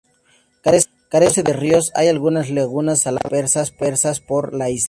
Carece de ríos; hay algunas lagunas saladas dispersas por la isla.